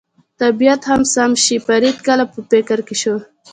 طبیعت هم سم شي، فرید لږ په فکر کې شو.